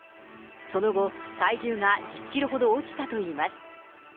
その後、体重が１０キロほど落ちたといいます。